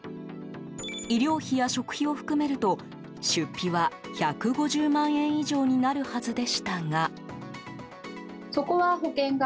医療費や食費を含めると出費は１５０万円以上になるはずでしたが。